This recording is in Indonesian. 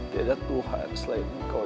tidak ada tuhan selain kau